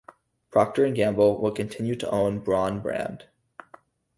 Procter and Gamble will continue to own the Braun brand.